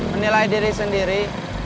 menilai diri sendiri